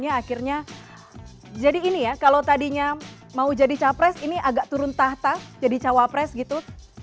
dan akhirnya jadi ini ya kalau tadinya mau jadi cawapres ini agak turun tahta jadi cawapres gitu